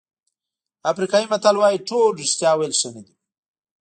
افریقایي متل وایي ټول رښتیا ویل ښه نه دي.